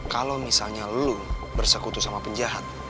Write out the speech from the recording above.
kalau misalnya lu bersekutu sama penjahat